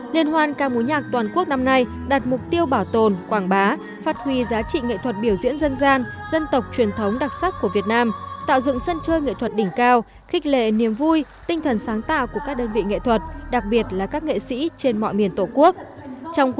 liên hoan ca mối nhạc toàn quốc năm nay đặt mục tiêu bảo tồn quảng bá phát huy giá trị nghệ thuật biểu diễn dân gian dân tộc truyền thống đặc sắc của việt nam tạo dựng sân chơi nghệ thuật đỉnh cao khích lệ niềm vui tinh thần sáng tạo của các đơn vị nghệ thuật đặc biệt là các nghệ sĩ trên mọi miền tổ quốc